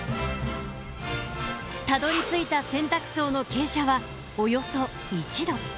たどりついた洗濯槽の傾斜はおよそ１度。